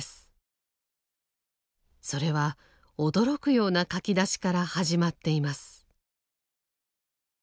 それは驚くような書き出しから始まっています。